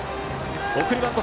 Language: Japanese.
送りバント